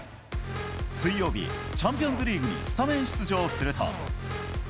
水曜日、チャンピオンズリーグにスタメン出場すると。